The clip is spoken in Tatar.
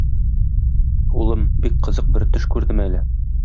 Улым, бик кызык бер төш күрдем әле.